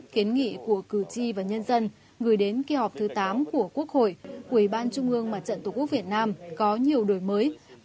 kiến nghị của cử tri và nhân dân gửi đến kỳ họp thứ tám của quốc hội của ủy ban trung ương mặt trận tổ quốc việt nam có nhiều đổi mới